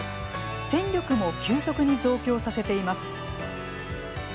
戦力も急速に増強させています。